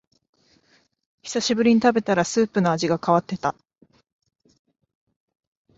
久しぶりに食べたらスープの味が変わってた